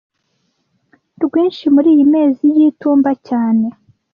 rwinshi muriyi mezi y'itumba cyane